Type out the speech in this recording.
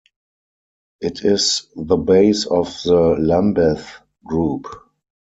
It is the base of the Lambeth Group.